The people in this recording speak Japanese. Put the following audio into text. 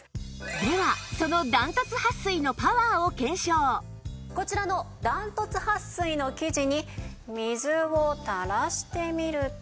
ではそのこちらのダントツ撥水の生地に水を垂らしてみると。